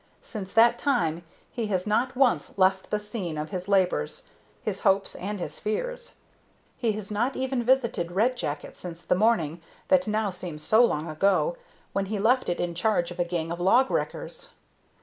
Since that time he has not once left the scene of his labors, his hopes, and his fears. He has not even visited Red Jacket since the morning, that now seems so long ago, when he left it in charge of a gang of log wreckers.